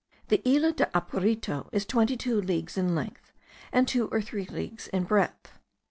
The Isla del Apurito is twenty two leagues in length, and two or three leagues in breadth.